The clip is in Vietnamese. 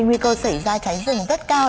nguy cơ xảy ra cháy rừng rất cao